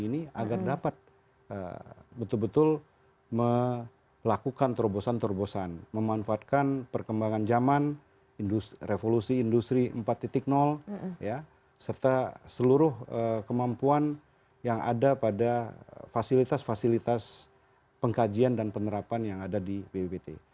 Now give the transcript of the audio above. dan teknologi ini agar dapat betul betul melakukan terobosan terobosan memanfaatkan perkembangan zaman revolusi industri empat serta seluruh kemampuan yang ada pada fasilitas fasilitas pengkajian dan penerapan yang ada di bbpt